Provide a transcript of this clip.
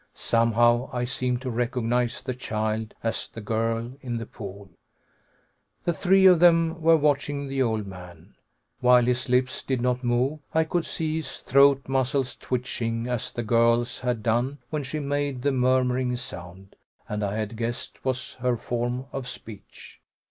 Somehow I seemed to recognize the child as the girl in the pool. The three of them were watching the old man. While his lips did not move, I could see his throat muscles twitching as the girl's had done when she made the murmuring sound I had guessed was her form of speech.